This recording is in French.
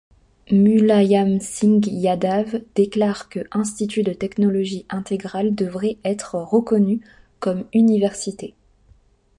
Mulayam Singh Yadav déclare que Institut de technologie intégrale devrait être reconnue comme université.